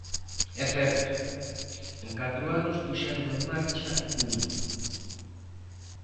É certo, en catro anos puxeron en marcha un.